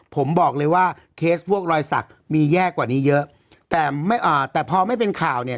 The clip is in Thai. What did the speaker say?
ผมบอกเลยว่าเคสพวกรอยสักมีแย่กว่านี้เยอะแต่ไม่อ่าแต่พอไม่เป็นข่าวเนี่ย